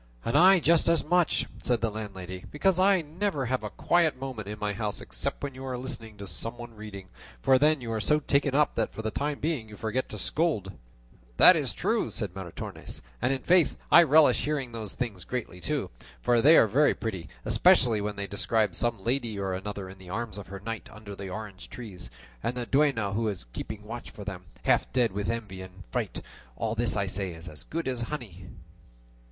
"And I just as much," said the landlady, "because I never have a quiet moment in my house except when you are listening to some one reading; for then you are so taken up that for the time being you forget to scold." "That is true," said Maritornes; "and, faith, I relish hearing these things greatly too, for they are very pretty; especially when they describe some lady or another in the arms of her knight under the orange trees, and the duenna who is keeping watch for them half dead with envy and fright; all this I say is as good as honey."